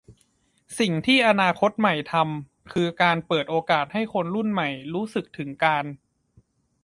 สิ่งที่อนาคตใหม่ทำคือการเปิดโอกาสให้คนรุ่นใหม่รู้สึกถึงการ